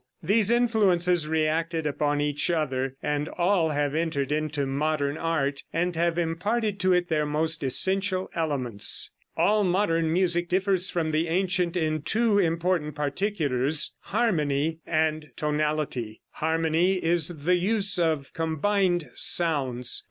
These influences reacted upon each other, and all have entered into modern art, and have imparted to it their most essential elements. All modern music differs from the ancient in two important particulars Harmony and Tonality. Harmony is the use of combined sounds.